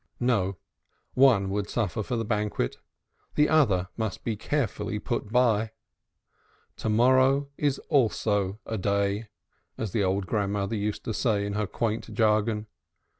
No, one would suffice for the banquet, the other must be carefully put by. "To morrow is also a day," as the old grandmother used to say in her quaint jargon.